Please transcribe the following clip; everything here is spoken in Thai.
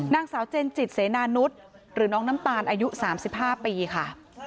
นางสาวเจนจิตเสนานุษย์หรือน้องน้ำตาลอายุ๓๕ปีค่ะ